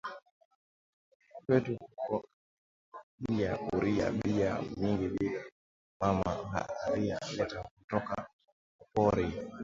Kwetu kuko bia kuria bia mingi bile mama ari leta kutoka ku pori